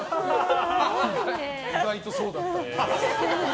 意外とそうだったんだ。